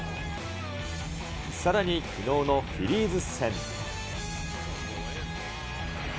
さらにきのうのフィリーズ戦。